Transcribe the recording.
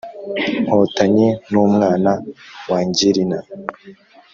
Nkotanyi numwana wangerina